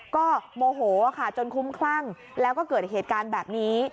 ก็โมโหค่ะจนคุ้มคลั่งแล้วก็เกิดเหตุการณ์แบบนี้